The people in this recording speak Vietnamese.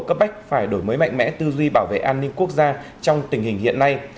cấp bách phải đổi mới mạnh mẽ tư duy bảo vệ an ninh quốc gia trong tình hình hiện nay